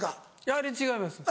あれ違います。